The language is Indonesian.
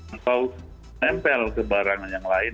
atau nempel ke barang yang lain